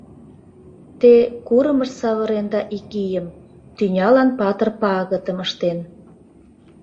Те курымыш савыренда ик ийым, Тӱнялан патыр пагытым ыштен!